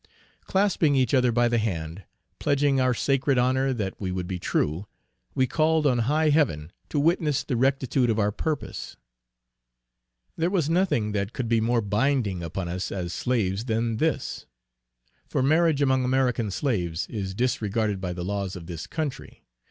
Clasping each other by the hand, pledging our sacred honor that we would be true, we called on high heaven to witness the rectitude of our purpose. There was nothing that could be more binding upon us as slaves than this; for marriage among American slaves, is disregarded by the laws of this country.